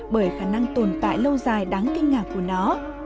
bởi khả năng tồn tại lâu dài đáng kinh ngạc của nó